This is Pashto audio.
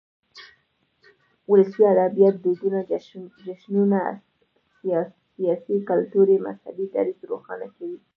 ولسي ادبيات دودنه، جشنونه ،سياسي، کلتوري ،مذهبي ، دريځ روښانه کوي.